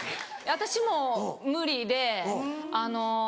私も無理であの。